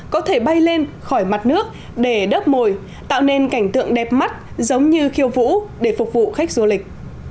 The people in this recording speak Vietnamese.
có thể bay lên khỏi mặt nước để đắp mồi tạo nên cảnh tượng đẹp mắt giống như khiêu vũ để phục vụ khách du lịch